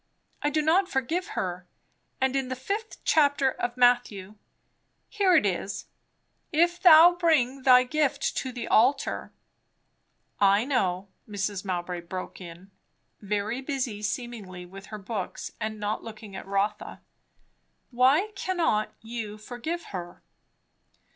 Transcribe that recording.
I do not forgive her; and in the fifth chapter of Matthew, here it is: 'If thou bring thy gift to the altar '" "I know," Mrs. Mowbray broke in, very busy seemingly with her books and not looking at Rotha. "Why cannot you forgive her?"